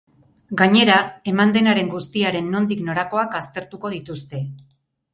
Gainera, eman denaren guztiaren nondik norakoak aztertuko dituzte.